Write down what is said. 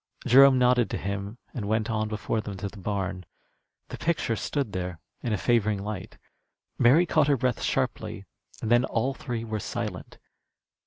Jerome nodded to him and went on before them to the barn. The picture stood there in a favoring light. Mary caught her breath sharply, and then all three were silent.